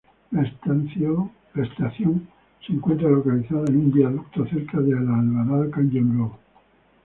La estación se encuentra localizada en un viaducto cerca de la Alvarado Canyon Road.